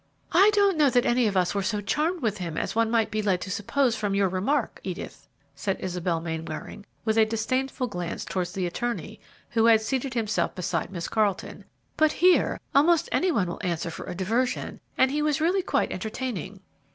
"I don't know that any of us were so charmed with him as one might be led to suppose from your remark, Edith," said Isabel Mainwaring, with a disdainful glance towards the attorney, who had seated himself beside Miss Carleton; "but here, almost any one will answer for a diversion, and he was really quite entertaining."